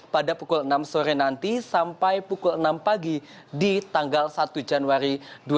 pada pukul enam sore nanti sampai pukul enam pagi di tanggal satu januari